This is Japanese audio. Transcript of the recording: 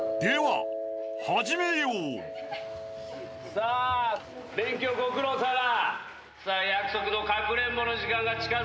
さあ勉強ご苦労さま。